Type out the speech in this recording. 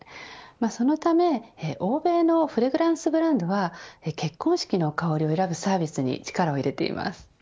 そのため欧米のフレグランスブランドは結婚式の香りを選ぶサービスに力を入れています。